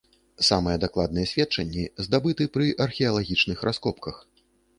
Самыя дакладныя сведчанні здабыты пры археалагічных раскопках.